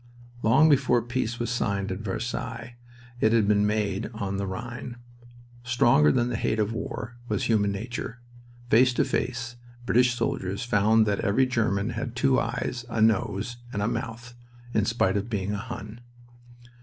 Long before peace was signed at Versailles it had been made on the Rhine. Stronger than the hate of war was human nature. Face to face, British soldiers found that every German had two eyes, a nose, and a mouth, in spite of being a "Hun."